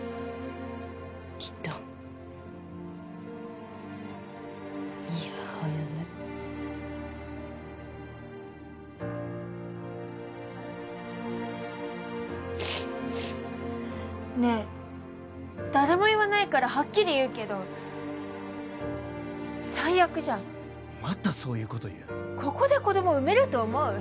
きっといい母親になるねえ誰も言わないからはっきり言うけど最悪じゃんまたそういうこと言うここで子ども産めると思う？